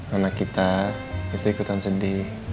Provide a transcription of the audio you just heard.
anak kita itu ikutan sendi